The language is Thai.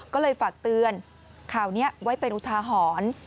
ก็เลยฝากเตือนข่าวนี้ไว้เป็นอุทาหรณ์